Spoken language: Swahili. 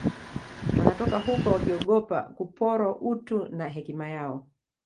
wanatoka huko wakiogopa kuporwa utu na hekima yao